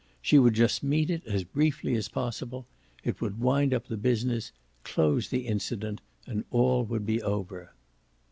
She would just meet it as briefly as possible; it would wind up the business, close the incident, and all would be over.